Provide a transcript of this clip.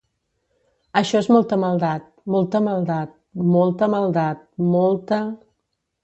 Això és molta maldat, molta maldat, molta maldat, molta…